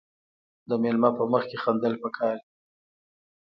د میلمه په مخ کې خندل پکار دي.